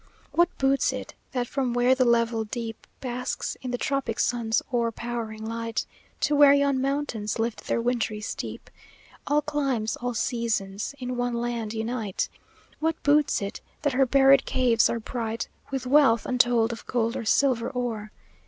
"What boots it that from where the level deep Basks in the tropic sun's o'erpow'ring light To where yon mountains lift their wintry steep, All climes, all seasons in one land unite? What boots it that her buried caves are bright With wealth untold of gold or silver ore?